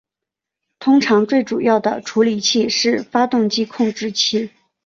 通常最主要的处理器是发动机控制器。